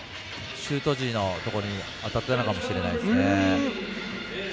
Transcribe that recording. シュート時のところ当たったのかもしれないですね。